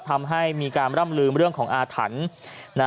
ทำให้มีการร่ำลืมเรื่องของอาถรรพ์